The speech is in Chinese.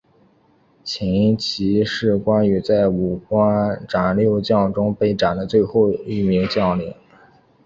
秦琪是关羽在过五关斩六将中被斩的最后一名将领。